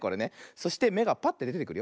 そしてめがぱってでてくるよ。